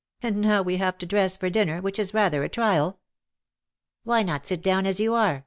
And now we have to dress for dinner, which is rather a trial." " Why not sit down as you are